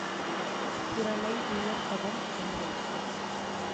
குரலை உயர்த்தவும் இல்லை.